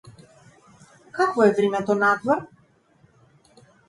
Какво е времето надвор?